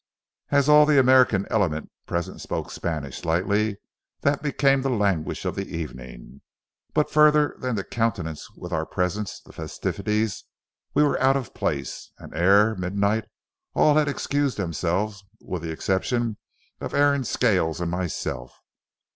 As all the American element present spoke Spanish slightly, that became the language of the evening. But, further than to countenance with our presence the festivities, we were out of place, and, ere midnight, all had excused themselves with the exception of Aaron Scales and myself.